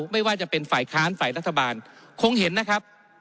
ไม่ว่าจะเป็นฝ่ายค้านฝ่ายรัฐบาลคงเห็นนะครับ